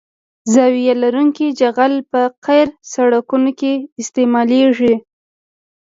زاویه لرونکی جغل په قیر سرکونو کې استعمالیږي